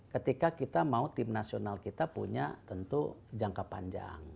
ketika kita mau tim nasional kita punya tentu jangka panjang